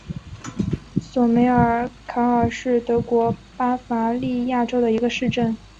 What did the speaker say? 索梅尔卡尔是德国巴伐利亚州的一个市镇。